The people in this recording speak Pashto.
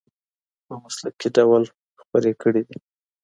په مسلکي ډول خپرې کړې دي.